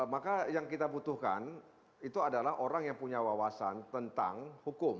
maka yang kita butuhkan itu adalah orang yang punya wawasan tentang hukum